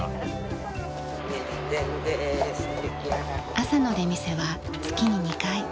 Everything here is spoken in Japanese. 朝の出店は月に２回。